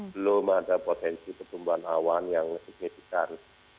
belum ada potensi pertumbuhan awan yang signifikan